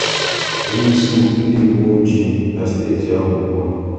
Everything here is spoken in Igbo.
Onyeisi ndị uweojii na steeti ahụ ugbua